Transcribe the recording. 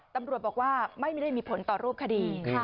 ตำรวจบอกว่าไม่ได้มีผลต่อรูปคดี